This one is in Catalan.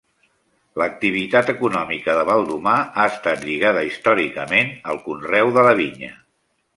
L'activitat econòmica de Baldomar ha estat lligada històricament al conreu de la vinya.